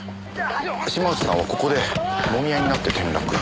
島内さんはここでもみ合いになって転落。